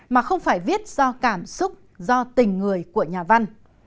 mà không phải viết do cảm xúc do tình người của nhà văn